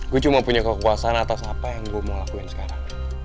gue cuma punya kekuasaan atas apa yang gue mau lakuin sekarang